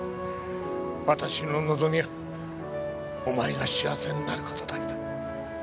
私の望みはお前が幸せになる事だけだ。